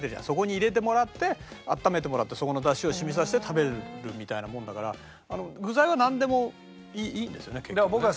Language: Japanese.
そこに入れてもらってあっためてもらってそこの出汁を染みさせて食べるみたいなもんだから具材はなんでもいいんですよね結局ね。